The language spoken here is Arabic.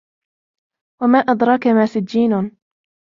وَمَا أَدْرَاكَ مَا سِجِّينٌ